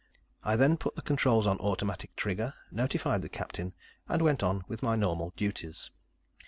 I then put the controls on automatic trigger, notified the captain, and went on with my normal duties.